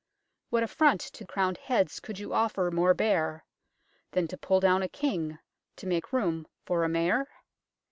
What affront to crowned heads could you offer more bare, Than to pull down a King to make room for a Mayor ?